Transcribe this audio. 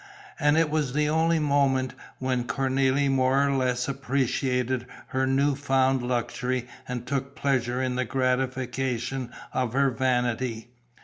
And it was the only moment when Cornélie more or less appreciated her new found luxury and took pleasure in the gratification of her vanity.